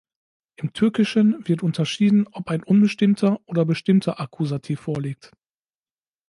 Im Türkischen wird unterschieden, ob ein "unbestimmter" oder "bestimmter" Akkusativ vorliegt.